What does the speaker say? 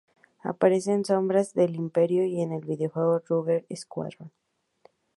Aparece en Sombras del Imperio y en el videojuego Rogue Squadron.